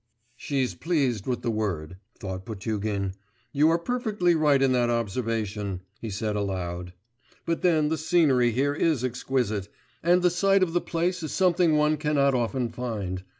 'She's pleased with the word,' thought Potugin. 'You are perfectly right in that observation,' he said aloud; 'but then the scenery here is exquisite, and the site of the place is something one cannot often find.